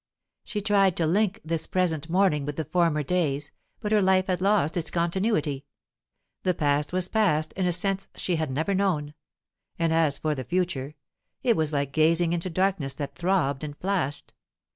She tried to link this present morning with the former days, but her life had lost its continuity; the past was past in a sense she had never known; and as for the future, it was like gazing into darkness that throbbed and flashed.